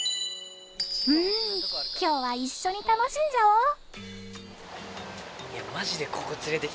うーん、今日は一緒に楽しんじゃおう。